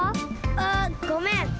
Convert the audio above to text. あっごめん。